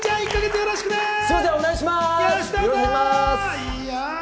よろしくお願いします。